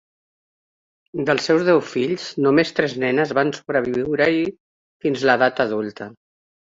Dels seus deu fills, només tres nenes van sobreviure-hi fins l"edat adulta.